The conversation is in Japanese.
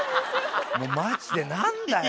もうマジでなんだよ！